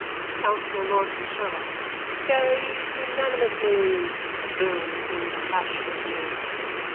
COUNCILLOR LORCAN SHERLOCK: Carried unanimously. BLOOM: _(Impassionedly.)